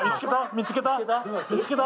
見つけた？